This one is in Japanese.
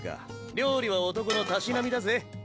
料理は男のたしなみだぜ。